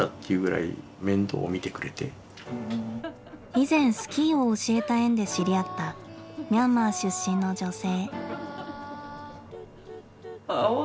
以前スキーを教えた縁で知り合ったミャンマー出身の女性。